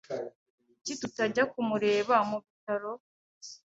Kuki tutajya kumureba mubitaro?